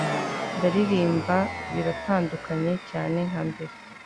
Ndaririmba biratandukanye cyane nka mbere